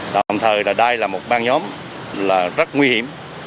tạm thời đây là một ban nhóm rất nguy hiểm